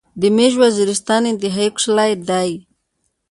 دې ميژ وزيرستان انتهایی کوشلاي داي